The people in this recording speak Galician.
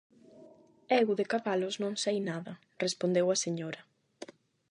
Eu de cabalos non sei nada -respondeu a señora-.